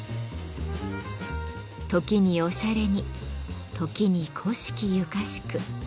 時におしゃれに時に古式ゆかしく。